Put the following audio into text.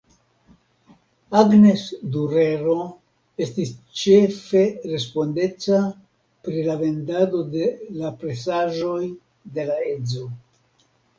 Agnes Durero estis ĉefe respondeca pri la vendado de la presaĵoj de la edzo.